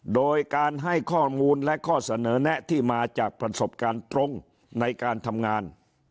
โดยการให้ข้อมูลและข้อเสนอแนะที่มาจากประสบการณ์ตรงในการทำงาน